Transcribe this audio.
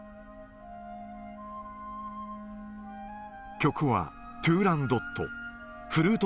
曲は、トゥーランドット。